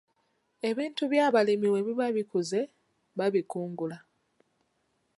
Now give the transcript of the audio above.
Ebintu by'abalimi bwe biba bikuze, babikungula.